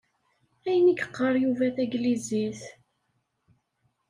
Ayen i yeqqar Yuba taglizit?